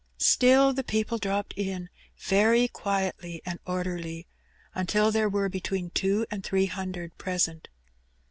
Still the people dropped in very quietly and orderly, until there were between two and three hun ired present.